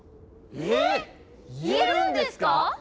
えっ言えるんですか